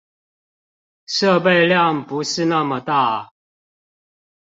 設備量不是那麼大